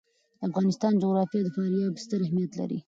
د افغانستان جغرافیه کې فاریاب ستر اهمیت لري.